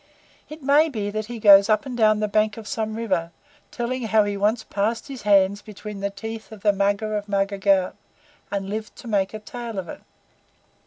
It may be he goes up and down the bank of some river, telling how he once passed his hands between the teeth of the Mugger of Mugger Ghaut, and lived to make a tale of it.